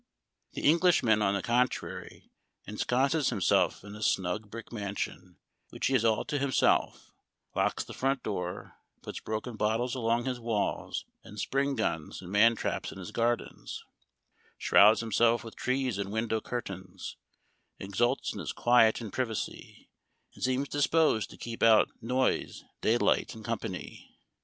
" The Englishman, on the contrary, ensconses himself in a snug brick mansion, which he has all to himself; locks the frontdoor, puts broken bottles along his walls and spring guns and man traps in his gardens ; shrouds himself with trees and window curtains ; exults in his quiet and privacy, and seems disposed to keep out noise, daylight, and company.